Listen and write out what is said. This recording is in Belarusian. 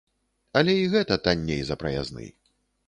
Але і гэта танней за праязны.